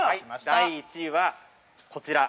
◆第１位は、こちら。